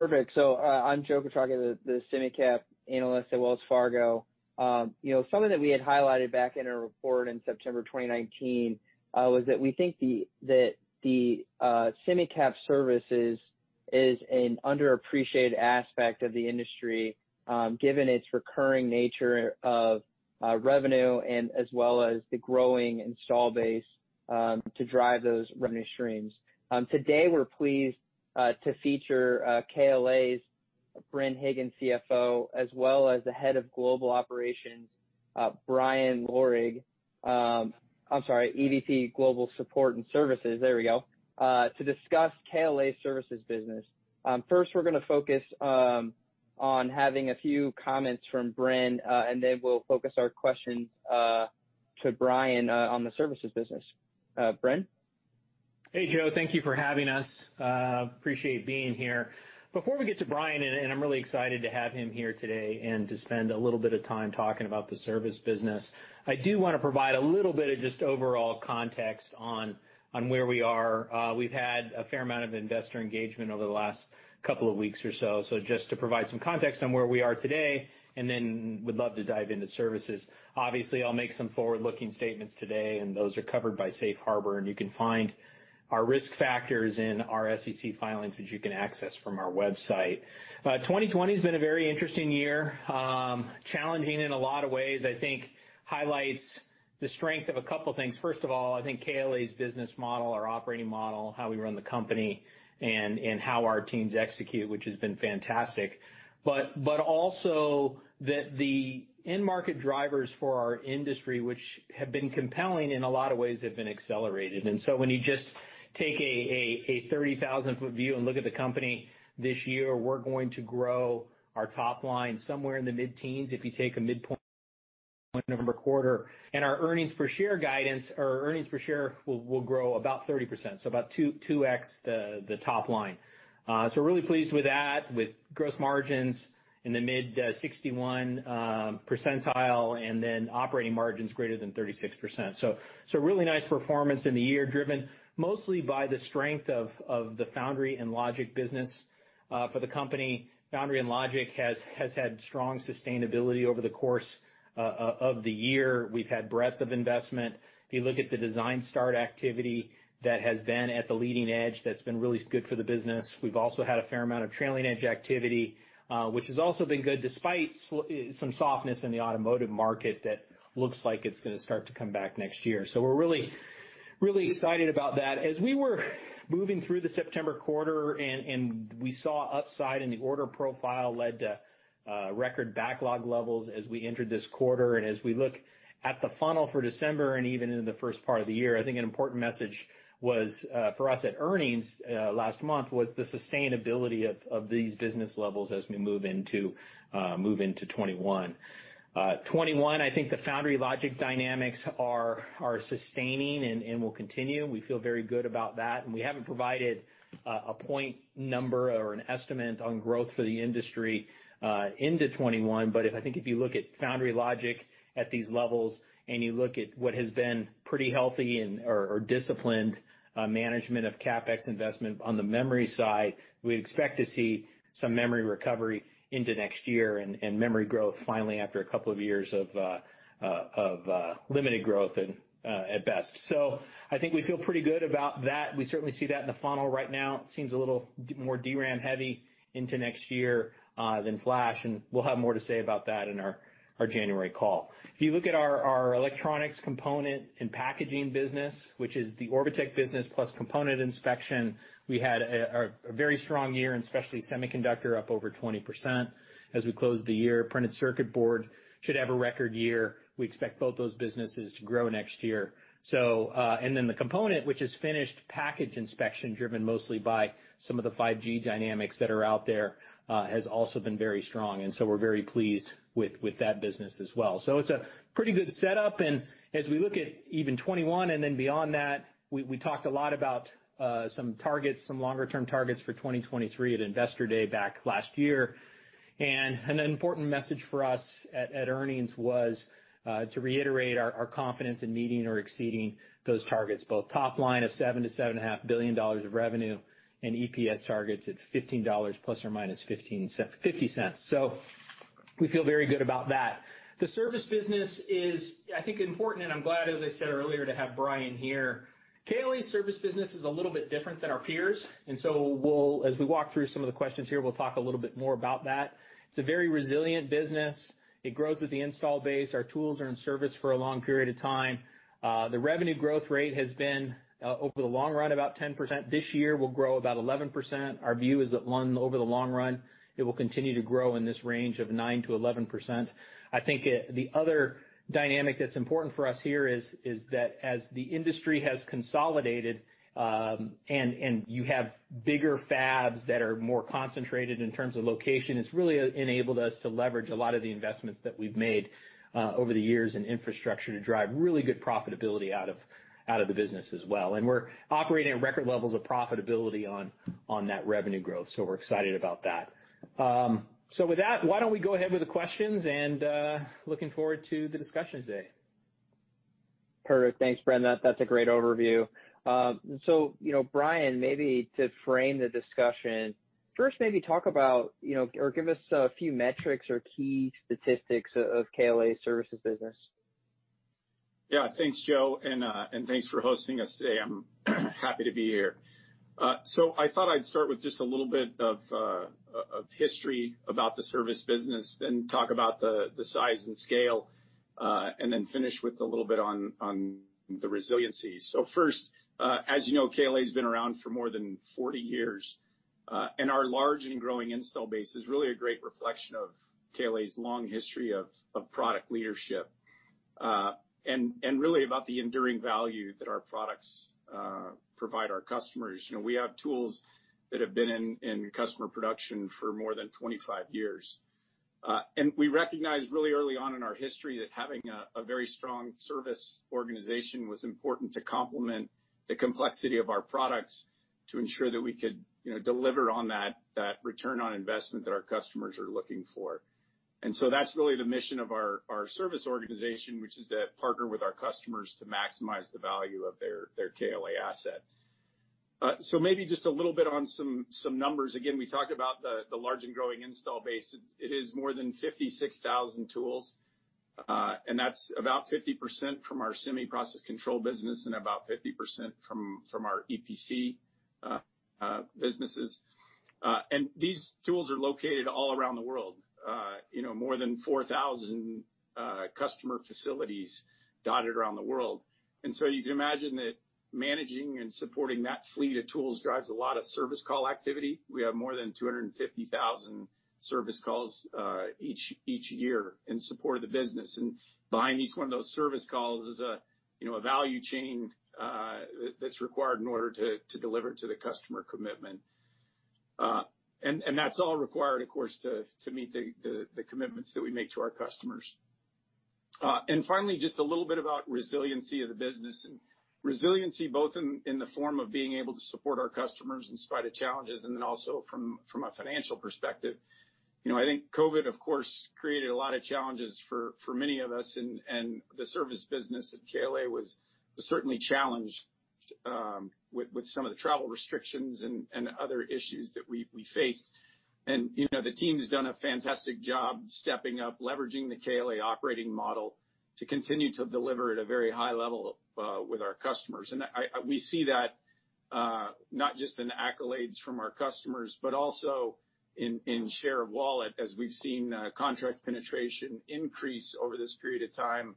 Perfect. I'm Joe Quatrochi, the Semi-Cap Analyst at Wells Fargo. Something that we had highlighted back in our report in September 2019, was that we think that the semi-cap services is an underappreciated aspect of the industry, given its recurring nature of revenue and as well as the growing install base to drive those revenue streams. Today, we're pleased to feature KLA's Bren Higgins, CFO, as well as the Head of Global Operations, Brian Lorig, I'm sorry, EVP, Global Support and Services, there we go, to discuss KLA services business. First, we're going to focus on having a few comments from Bren, and then we'll focus our questions to Brian, on the services business. Bren? Hey, Joe. Thank you for having us. Appreciate being here. Before we get to Brian in, I'm really excited to have him here today and to spend a little bit of time talking about the service business, I do want to provide a little bit of just overall context on where we are. We've had a fair amount of investor engagement over the last couple of weeks or so. Just to provide some context on where we are today, would love to dive into services. Obviously, I'll make some forward-looking statements today. Those are covered by Safe Harbor. You can find our risk factors in our SEC filings, which you can access from our website. 2020's been a very interesting year, challenging in a lot of ways. I think highlights the strength of a couple of things. First of all, I think KLA's business model, our operating model, how we run the company and how our teams execute, which has been fantastic, but also that the end market drivers for our industry, which have been compelling in a lot of ways, have been accelerated. When you just take a 30,000 ft view and look at the company this year, we're going to grow our top line somewhere in the mid-teens, if you take a midpoint November quarter, and our earnings per share will grow about 30%, so about 2x the top line. We're really pleased with that, with gross margins in the mid-61 percentile, and then operating margins greater than 36%. Really nice performance in the year, driven mostly by the strength of the foundry and logic business for the company. Foundry and logic has had strong sustainability over the course of the year. We've had breadth of investment. If you look at the design start activity that has been at the leading edge, that's been really good for the business. We've also had a fair amount of trailing edge activity, which has also been good despite some softness in the automotive market that looks like it's going to start to come back next year. We're really excited about that. As we were moving through the September quarter and we saw upside in the order profile led to record backlog levels as we entered this quarter, and as we look at the funnel for December and even into the first part of the year, I think an important message was for us at earnings, last month, was the sustainability of these business levels as we move into 2021. 2021, I think the foundry logic dynamics are sustaining and will continue. We feel very good about that, and we haven't provided a point number or an estimate on growth for the industry into 2021. I think if you look at foundry logic at these levels and you look at what has been pretty healthy or disciplined management of CapEx investment on the memory side, we expect to see some memory recovery into next year and memory growth finally after a couple of years of limited growth at best. I think we feel pretty good about that. We certainly see that in the funnel right now. It seems a little more DRAM heavy into next year than flash, and we'll have more to say about that in our January call. If you look at our electronics component and packaging business, which is the Orbotech business plus component inspection, we had a very strong year. Especially semiconductor up over 20% as we closed the year. Printed circuit board should have a record year. We expect both those businesses to grow next year. Then the component, which is finished package inspection, driven mostly by some of the 5G dynamics that are out there, has also been very strong. So we're very pleased with that business as well. It's a pretty good setup. As we look at even 2021 and then beyond that, we talked a lot about some targets, some longer-term targets for 2023 at Investor Day back last year. An important message for us at earnings was to reiterate our confidence in meeting or exceeding those targets, both top line of $7 billion-$7.5 billion of revenue and EPS targets at $15, ±$0.50. We feel very good about that. The service business is, I think, important, and I'm glad, as I said earlier, to have Brian here. KLA service business is a little bit different than our peers, as we walk through some of the questions here, we'll talk a little bit more about that. It's a very resilient business. It grows with the install base. Our tools are in service for a long period of time. The revenue growth rate has been, over the long run, about 10%. This year, we'll grow about 11%. Our view is that over the long run, it will continue to grow in this range of 9%-11%. I think the other dynamic that's important for us here is that as the industry has consolidated, and you have bigger fabs that are more concentrated in terms of location, it's really enabled us to leverage a lot of the investments that we've made over the years in infrastructure to drive really good profitability out of the business as well. We're operating at record levels of profitability on that revenue growth, so we're excited about that. With that, why don't we go ahead with the questions, and looking forward to the discussion today. Perfect. Thanks, Bren. That's a great overview. Brian, maybe to frame the discussion, first maybe talk about or give us a few metrics or key statistics of KLA's services business. Yeah. Thanks, Joe, thanks for hosting us today. I'm happy to be here. I thought I'd start with just a little bit of history about the service business, then talk about the size and scale, then finish with a little bit on the resiliency. First, as you know, KLA's been around for more than 40 years, our large and growing install base is really a great reflection of KLA's long history of product leadership, really about the enduring value that our products provide our customers. We have tools that have been in customer production for more than 25 years. We recognized really early on in our history that having a very strong service organization was important to complement the complexity of our products to ensure that we could deliver on that return on investment that our customers are looking for. That's really the mission of our service organization, which is to partner with our customers to maximize the value of their KLA asset. Maybe just a little bit on some numbers. Again, we talked about the large and growing install base. It is more than 56,000 tools, and that's about 50% from our semi process control business and about 50% from our EPC businesses. These tools are located all around the world, more than 4,000 customer facilities dotted around the world. You can imagine that managing and supporting that fleet of tools drives a lot of service call activity. We have more than 250,000 service calls each year in support of the business, and behind each one of those service calls is a value chain that's required in order to deliver to the customer commitment. That's all required, of course, to meet the commitments that we make to our customers. Finally, just a little bit about resiliency of the business, and resiliency both in the form of being able to support our customers in spite of challenges, and then also from a financial perspective. I think COVID, of course, created a lot of challenges for many of us, and the service business at KLA was certainly challenged with some of the travel restrictions and other issues that we faced. The team's done a fantastic job stepping up, leveraging the KLA operating model to continue to deliver at a very high level with our customers. We see that not just in accolades from our customers, but also in share of wallet, as we've seen contract penetration increase over this period of time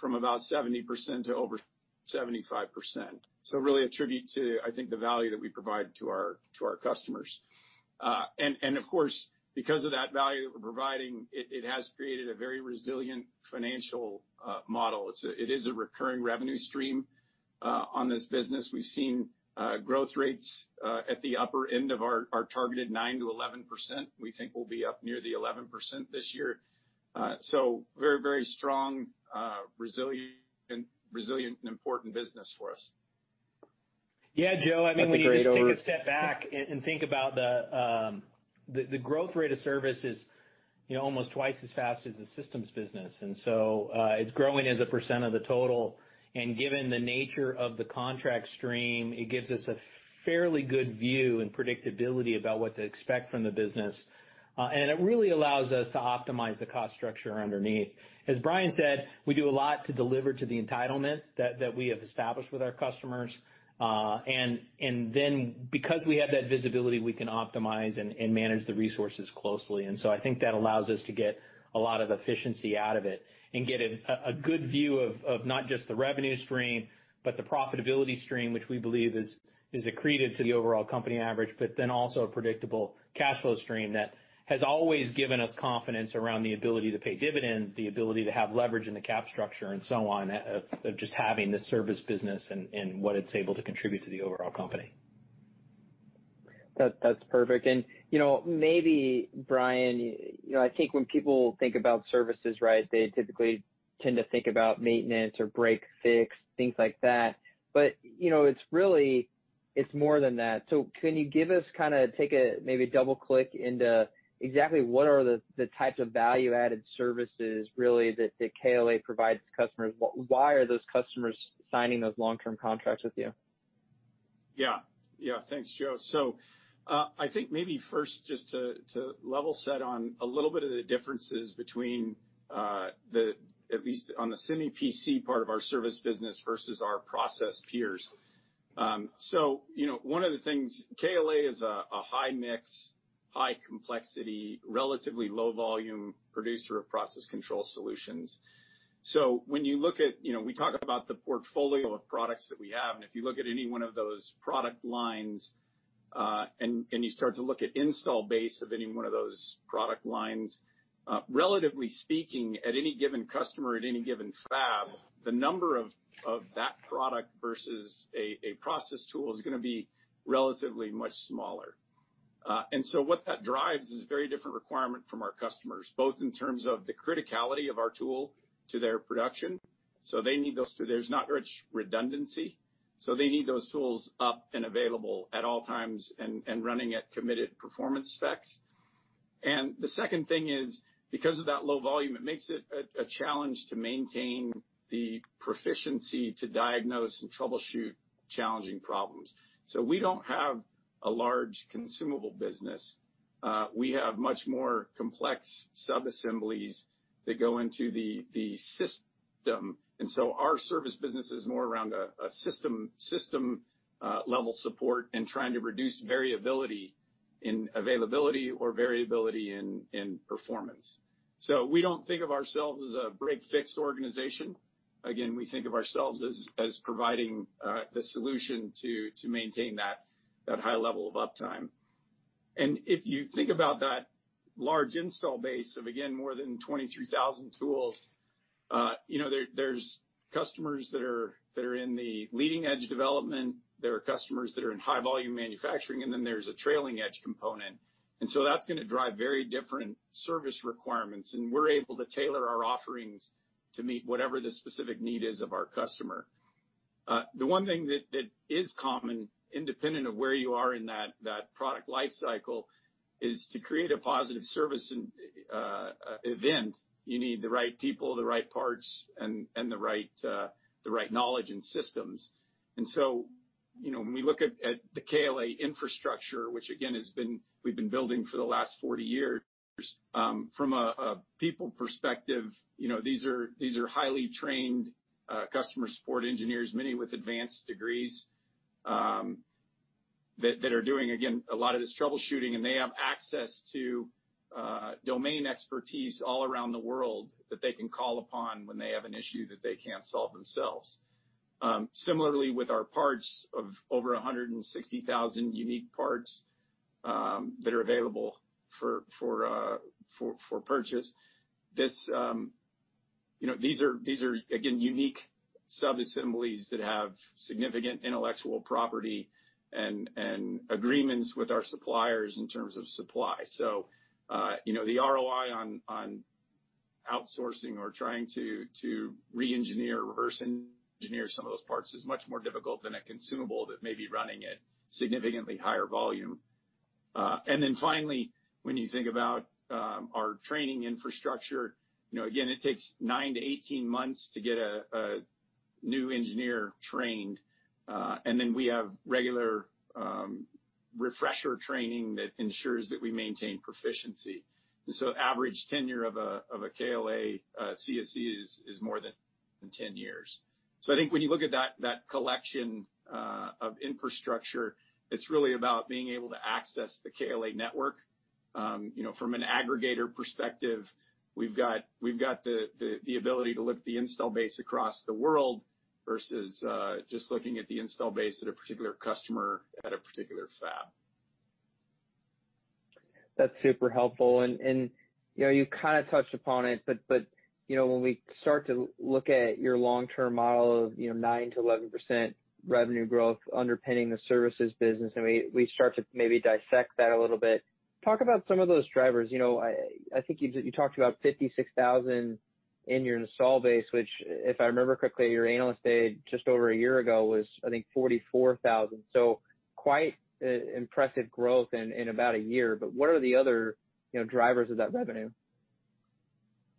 from about 70% to over 75%. Really a tribute to, I think, the value that we provide to our customers. Of course, because of that value that we're providing, it has created a very resilient financial model. It is a recurring revenue stream on this business. We've seen growth rates at the upper end of our targeted 9%-11%. We think we'll be up near the 11% this year. Very strong, resilient, and important business for us. Yeah, Joe, I think when you just take a step back and think about the growth rate of service is almost twice as fast as the systems business. It's growing as a percent of the total, and given the nature of the contract stream, it gives us a fairly good view and predictability about what to expect from the business. It really allows us to optimize the cost structure underneath. As Brian said, we do a lot to deliver to the entitlement that we have established with our customers. Because we have that visibility, we can optimize and manage the resources closely. I think that allows us to get a lot of efficiency out of it and get a good view of not just the revenue stream, but the profitability stream, which we believe is accretive to the overall company average, also a predictable cash flow stream that has always given us confidence around the ability to pay dividends, the ability to have leverage in the cap structure, and so on, of just having this service business and what it's able to contribute to the overall company. That's perfect. Maybe Brian, I think when people think about services, they typically tend to think about maintenance or break-fix, things like that. It's more than that. Can you give us kind of take a maybe double click into exactly what are the types of value-added services really that KLA provides to customers? Why are those customers signing those long-term contracts with you? Yeah. Thanks, Joe. I think maybe first just to level set on a little bit of the differences between at least on the semi PC part of our service business versus our process peers. One of the things, KLA is a high mix, high complexity, relatively low volume producer of process control solutions. When you look at, we talk about the portfolio of products that we have, and if you look at any one of those product lines, and you start to look at install base of any one of those product lines, relatively speaking, at any given customer, at any given fab, the number of that product versus a process tool is going to be relatively much smaller. What that drives is very different requirement from our customers, both in terms of the criticality of our tool to their production. There's not much redundancy. They need those tools up and available at all times and running at committed performance specs. The second thing is, because of that low volume, it makes it a challenge to maintain the proficiency to diagnose and troubleshoot challenging problems. We don't have a large consumable business. We have much more complex sub-assemblies that go into the system. Our service business is more around a system-level support and trying to reduce variability in availability or variability in performance. We don't think of ourselves as a break-fix organization. Again, we think of ourselves as providing the solution to maintain that high level of uptime. If you think about that large install base of, again, more than 23,000 tools, there's customers that are in the leading-edge development, there are customers that are in high-volume manufacturing, and then there's a trailing-edge component. That's going to drive very different service requirements, and we're able to tailor our offerings to meet whatever the specific need is of our customer. The one thing that is common, independent of where you are in that product life cycle, is to create a positive service event, you need the right people, the right parts, and the right knowledge and systems. When we look at the KLA infrastructure, which again, we've been building for the last 40 years, from a people perspective, these are highly trained customer support engineers, many with advanced degrees, that are doing, again, a lot of this troubleshooting, and they have access to domain expertise all around the world that they can call upon when they have an issue that they can't solve themselves. Similarly, with our parts, of over 160,000 unique parts that are available for purchase, these are, again, unique sub-assemblies that have significant intellectual property and agreements with our suppliers in terms of supply. The ROI on outsourcing or trying to re-engineer, reverse engineer some of those parts is much more difficult than a consumable that may be running at significantly higher volume. Finally, when you think about our training infrastructure, again, it takes nine to 18 months to get a new engineer trained. We have regular refresher training that ensures that we maintain proficiency. Average tenure of a KLA CSE is more than 10 years. I think when you look at that collection of infrastructure, it's really about being able to access the KLA network. From an aggregator perspective, we've got the ability to look at the install base across the world versus just looking at the install base at a particular customer at a particular fab. That's super helpful. You kind of touched upon it, but when we start to look at your long-term model of 9%-11% revenue growth underpinning the services business, and we start to maybe dissect that a little bit, talk about some of those drivers. I think you talked about 56,000 in your install base, which, if I remember correctly, your analyst day just over a year ago was, I think, 44,000. Quite impressive growth in about a year. What are the other drivers of that revenue?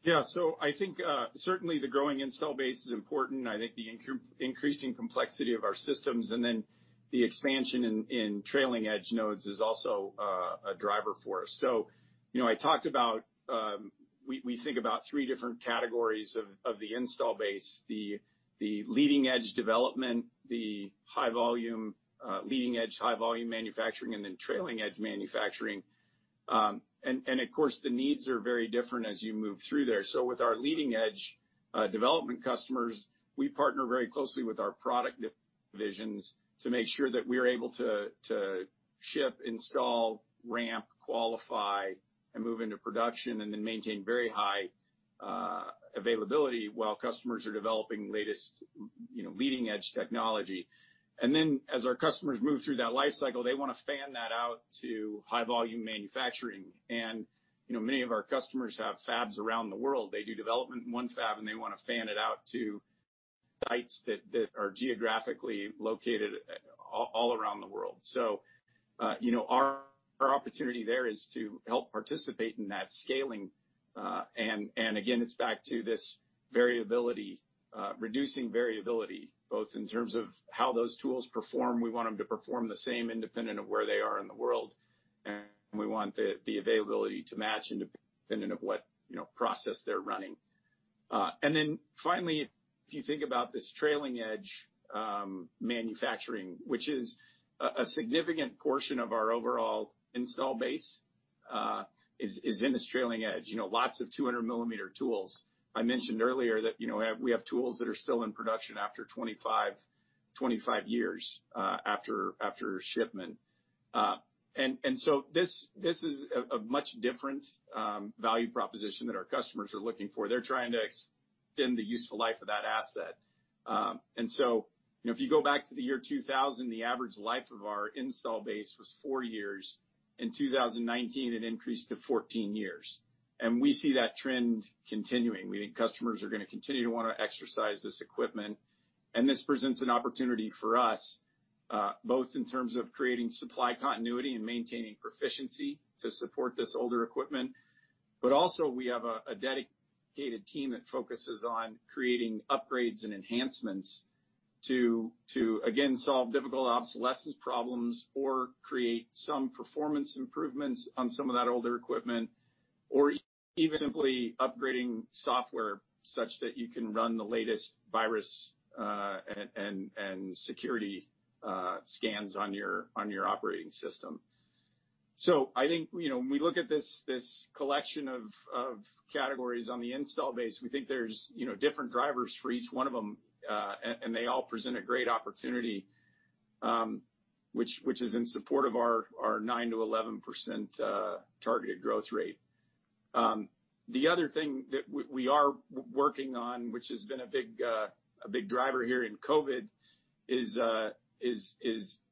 Yeah. I think certainly the growing install base is important. I think the increasing complexity of our systems and then the expansion in trailing-edge nodes is also a driver for us. I talked about, we think about three different categories of the install base, the leading-edge development, the leading-edge high-volume manufacturing, and then trailing-edge manufacturing. Of course, the needs are very different as you move through there. With our leading-edge development customers, we partner very closely with our product divisions to make sure that we are able to ship, install, ramp, qualify, and move into production, and then maintain very high availability while customers are developing the latest leading-edge technology. As our customers move through that life cycle, they want to fan that out to high-volume manufacturing. Many of our customers have fabs around the world. They do development in one fab, and they want to fan it out to sites that are geographically located all around the world. Our opportunity there is to help participate in that scaling. Again, it's back to this reducing variability, both in terms of how those tools perform. We want them to perform the same independent of where they are in the world, and we want the availability to match independent of what process they're running. Finally, if you think about this trailing-edge manufacturing, which is a significant portion of our overall install base, is in this trailing edge. Lots of 200 mm tools. I mentioned earlier that we have tools that are still in production after 25 years after shipment. This is a much different value proposition that our customers are looking for. They're trying to extend the useful life of that asset. If you go back to the year 2000, the average life of our install base was four years. In 2019, it increased to 14 years. We see that trend continuing. We think customers are going to continue to want to exercise this equipment, and this presents an opportunity for us both in terms of creating supply continuity and maintaining proficiency to support this older equipment. We have a dedicated team that focuses on creating upgrades and enhancements to, again, solve difficult obsolescence problems or create some performance improvements on some of that older equipment, or even simply upgrading software such that you can run the latest virus and security scans on your operating system. I think when we look at this collection of categories on the install base, we think there's different drivers for each one of them, and they all present a great opportunity, which is in support of our 9%-11% targeted growth rate. The other thing that we are working on, which has been a big driver here in COVID, is the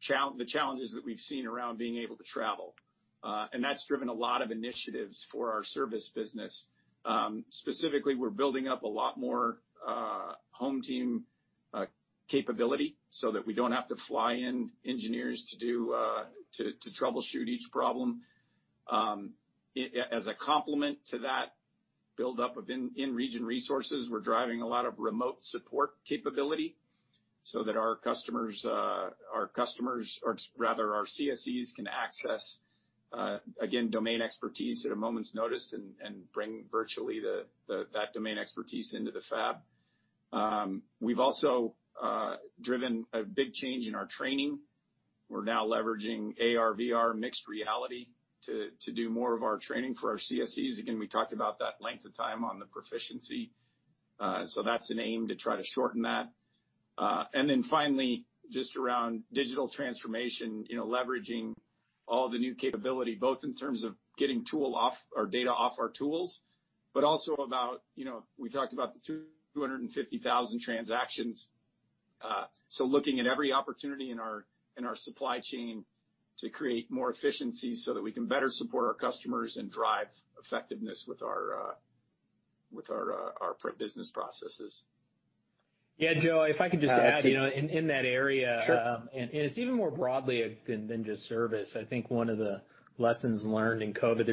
challenges that we've seen around being able to travel. That's driven a lot of initiatives for our service business. Specifically, we're building up a lot more home team capability so that we don't have to fly in engineers to troubleshoot each problem. As a complement to that buildup of in-region resources, we're driving a lot of remote support capability so that our customers, or rather our CSEs, can access, again, domain expertise at a moment's notice and bring virtually that domain expertise into the fab. We've also driven a big change in our training. We're now leveraging AR/VR mixed reality to do more of our training for our CSEs. Again, we talked about that length of time on the proficiency. That's an aim to try to shorten that. Finally, just around digital transformation, leveraging all the new capability, both in terms of getting data off our tools, but also about, we talked about the 250,000 transactions. Looking at every opportunity in our supply chain to create more efficiency so that we can better support our customers and drive effectiveness with our business processes. Yeah, Joe, if I could just add. Yeah, please. In that area. Sure. It's even more broadly than just service. I think one of the lessons learned in COVID,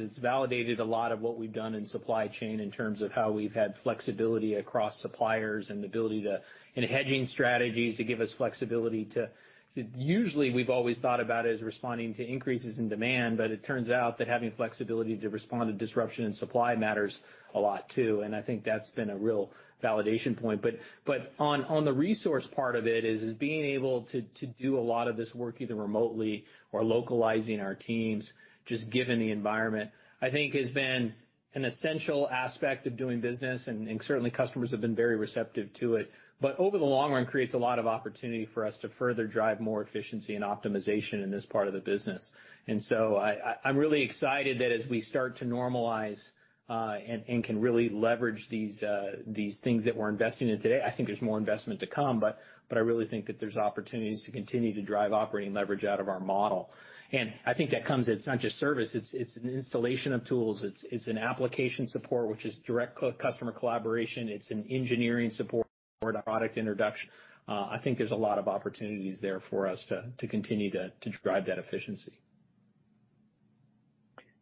it's validated a lot of what we've done in supply chain in terms of how we've had flexibility across suppliers and hedging strategies to give us flexibility to, usually we've always thought about it as responding to increases in demand. It turns out that having flexibility to respond to disruption in supply matters a lot, too. I think that's been a real validation point. On the resource part of it is being able to do a lot of this work either remotely or localizing our teams, just given the environment. I think has been an essential aspect of doing business. Certainly customers have been very receptive to it. Over the long run, creates a lot of opportunity for us to further drive more efficiency and optimization in this part of the business. I'm really excited that as we start to normalize, and can really leverage these things that we're investing in today, I think there's more investment to come, but I really think that there's opportunities to continue to drive operating leverage out of our model. I think that comes, it's not just service, it's an installation of tools. It's an application support, which is direct customer collaboration. It's an engineering support or product introduction. I think there's a lot of opportunities there for us to continue to drive that efficiency. Yeah.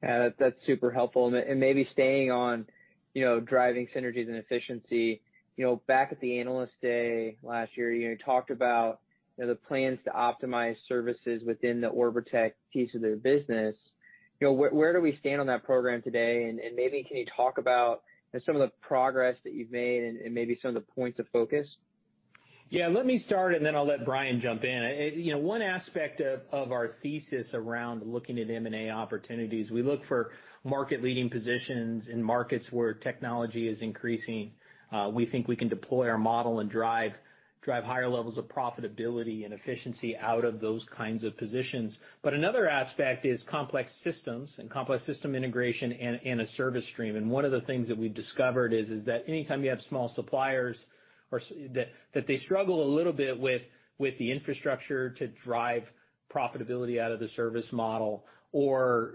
That's super helpful. Maybe staying on driving synergies and efficiency. Back at the Analyst Day last year, you talked about the plans to optimize services within the Orbotech piece of the business. Where do we stand on that program today, and maybe can you talk about some of the progress that you've made and maybe some of the points of focus? Yeah. Let me start, then I'll let Brian jump in. One aspect of our thesis around looking at M&A opportunities, we look for market-leading positions in markets where technology is increasing. We think we can deploy our model and drive higher levels of profitability and efficiency out of those kinds of positions. Another aspect is complex systems and complex system integration in a service stream. One of the things that we've discovered is that anytime you have small suppliers, that they struggle a little bit with the infrastructure to drive profitability out of the service model or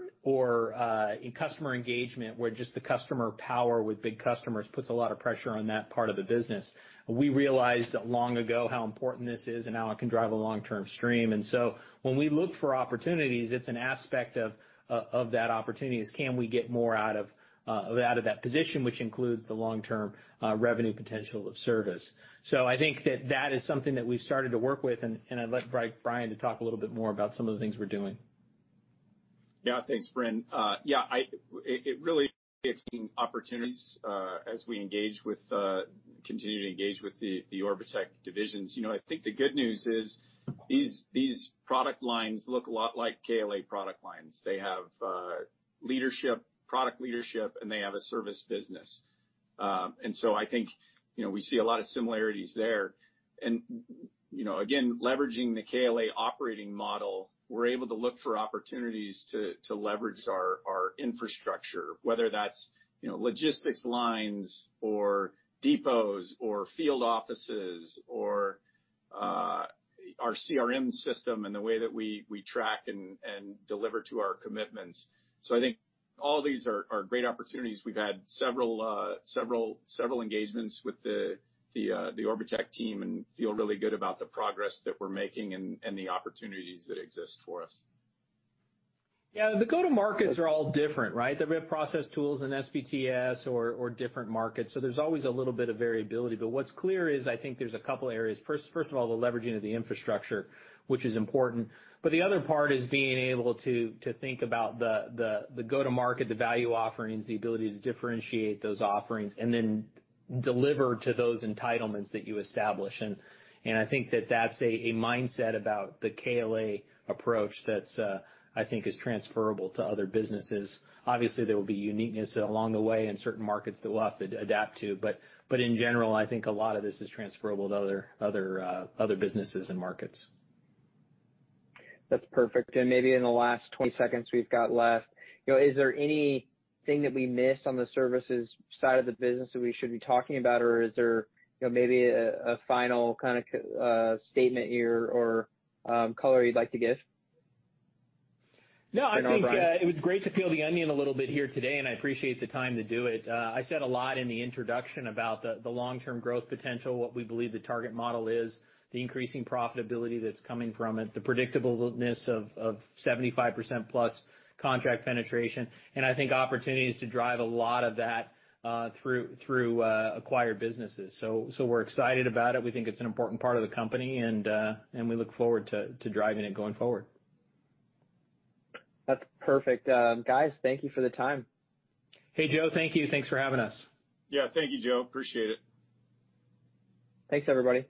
in customer engagement, where just the customer power with big customers puts a lot of pressure on that part of the business. We realized long ago how important this is and how it can drive a long-term stream. When we look for opportunities, it's an aspect of that opportunity is can we get more out of that position, which includes the long-term revenue potential of service. I think that that is something that we've started to work with, and I'd let Brian to talk a little bit more about some of the things we're doing. Yeah, thanks, Bren. It really is seeing opportunities, as we continue to engage with the Orbotech divisions. I think the good news is these product lines look a lot like KLA product lines. They have product leadership, and they have a service business. I think we see a lot of similarities there. Again, leveraging the KLA operating model, we're able to look for opportunities to leverage our infrastructure, whether that's logistics lines or depots or field offices or our CRM system and the way that we track and deliver to our commitments. I think all these are great opportunities. We've had several engagements with the Orbotech team and feel really good about the progress that we're making and the opportunities that exist for us. Yeah. The go-to-markets are all different, right? They're real process tools in SPTS or different markets, there's always a little bit of variability. What's clear is, I think there's a couple areas. First of all, the leveraging of the infrastructure, which is important. The other part is being able to think about the go-to-market, the value offerings, the ability to differentiate those offerings, and then deliver to those entitlements that you establish. I think that that's a mindset about the KLA approach that I think is transferable to other businesses. Obviously, there will be uniqueness along the way in certain markets that we'll have to adapt to, in general, I think a lot of this is transferable to other businesses and markets. That's perfect. Maybe in the last 20 seconds we've got left, is there anything that we missed on the services side of the business that we should be talking about, or is there maybe a final kind of statement here or color you'd like to give? Bren or Brian. No, I think, it was great to peel the onion a little bit here today, and I appreciate the time to do it. I said a lot in the introduction about the long-term growth potential, what we believe the target model is, the increasing profitability that's coming from it, the predictableness of 75%+ contract penetration, and I think opportunities to drive a lot of that through acquired businesses. We're excited about it. We think it's an important part of the company, and we look forward to driving it going forward. That's perfect. Guys, thank you for the time. Hey, Joe, thank you. Thanks for having us. Yeah. Thank you, Joe. Appreciate it. Thanks, everybody.